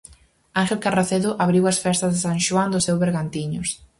Ángel Carracedo abriu as festas de San Xoán do seu Bergantiños.